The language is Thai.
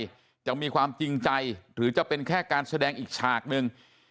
จะมีความจริงใจหรือจะเป็นแค่การแสดงอีกฉากหนึ่ง